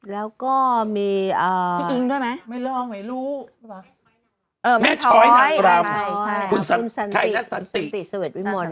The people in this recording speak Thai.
แล้วก็มีพี่กิ๊งด้วยไหมไม่รอไหมลูกแม่ช้อยแม่ช้อยคุณสันติคุณสันติสเวทวิมล